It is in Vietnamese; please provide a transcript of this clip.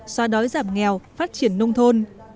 xóa đói giảm nghèo phát triển nông thôn